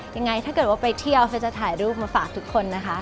ยังไงถ้าเกิดว่าไปเที่ยวเฟสจะถ่ายรูปมาฝากทุกคนนะคะ